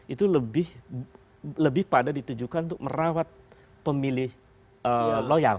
itu lebih pada ditujukan untuk merawat pemilih loyal